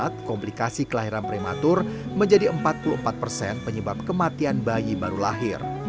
saat komplikasi kelahiran prematur menjadi empat puluh empat persen penyebab kematian bayi baru lahir